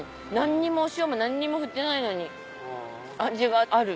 お塩も何にも振ってないのに味がある。